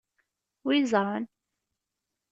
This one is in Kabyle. Wi yeẓran?